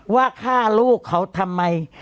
ว่าฆ่าลูกเขาทำไม